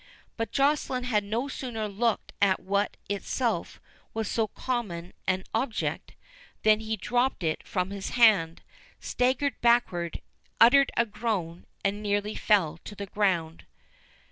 But Joceline had no sooner looked at what in itself was so common an object, than he dropped it from his hand, staggered backward, uttered a groan, and nearly fell to the ground.